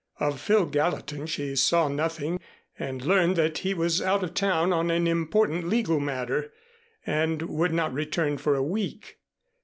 Of Phil Gallatin she saw nothing and learned that he was out of town on an important legal matter and would not return for a week.